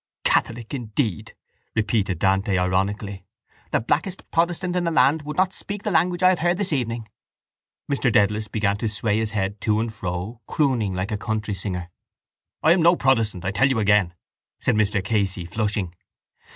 —Catholic indeed! repeated Dante ironically. The blackest protestant in the land would not speak the language I have heard this evening. Mr Dedalus began to sway his head to and fro, crooning like a country singer. —I am no protestant, I tell you again, said Mr Casey, flushing.